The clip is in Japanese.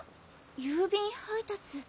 郵便配達